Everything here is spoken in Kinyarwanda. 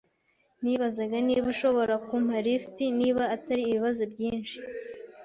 Nibazaga niba ushobora kumpa lift, niba atari ibibazo byinshi.